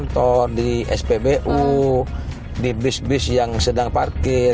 kantor di spbu di bus bis yang sedang parkir